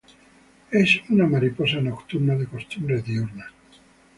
Es una mariposa nocturna de costumbres diurnas.